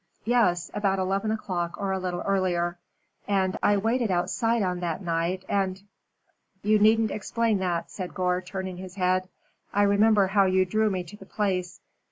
"Yes. About eleven o'clock or a little earlier. And I waited outside on that night and " "You needn't explain that," said Gore, turning his head. "I remember how you drew me to the place.